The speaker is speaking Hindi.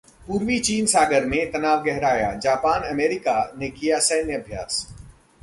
पूर्वी चीन सागर में तनाव गहराया, जापान-अमेरिका ने किया सैन्य अभ्यास